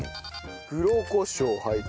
黒コショウはい。